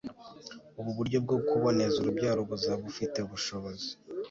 ubu buryo bwo kuboneza urubyaro buzaba bufite ubushobozi